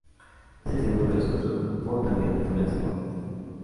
Es el segundo de los cuatro portaaviones clase "Forrestal".